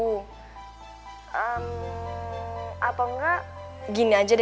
kamu bisa ngajak suai bap radio